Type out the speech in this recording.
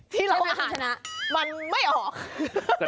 ที่เราอ่านมันไม่ออกใช่ไหมคุณชนะ